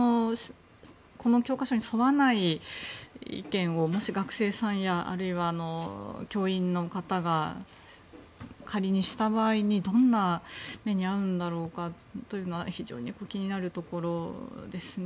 この教科書に沿わない意見をもし学生さんやあるいは、教員の方が仮にした場合にどんな目に遭うんだろうかというのは非常に気になるところですね。